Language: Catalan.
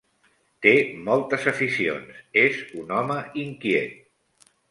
Té moltes aficions: és un home inquiet.